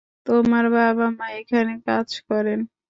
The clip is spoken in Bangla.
তোমার বাবা-মা এখানে কাজ করেন?